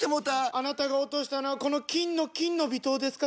あなたが落としたのはこの金の「金の微糖」ですか？